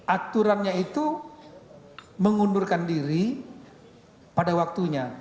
aturannya itu mengundurkan diri pada waktunya